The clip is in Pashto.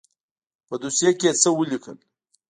په دوسيه کښې يې څه وليکل.